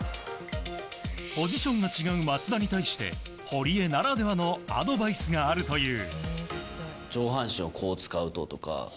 ポジションが違う松田に対して堀江ならではのアドバイスがあるという。